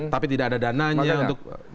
tapi tidak ada dananya untuk